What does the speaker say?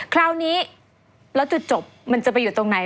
คราวนี้แล้วจุดจบมันจะไปอยู่ตรงไหน